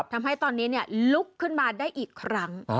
ทำให้ตอนนี้ลุกขึ้นมาได้อีกครั้ง